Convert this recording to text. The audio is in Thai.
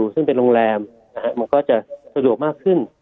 ซึ่งเป็นโรงแรมมันก็จะสะดวกมากขึ้น